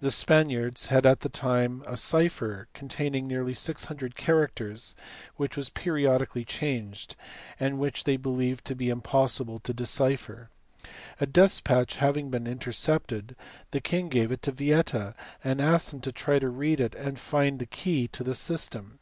The Spaniards had at that time a cipher contain ing nearly 600 characters which was periodically changed, and which they believed it to be impossible to decipher. A despatch having been intercepted, the king gave it to Yieta, and asked him to try to read it and find the key to the system.